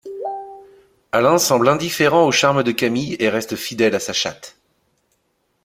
Alain semble indifférent au charme de Camille et reste fidèle à sa chatte.